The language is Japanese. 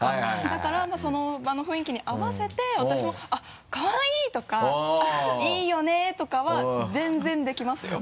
だからその場の雰囲気に合わせて私も「かわいい！」とか「いいよね！」とかは全然できますよ。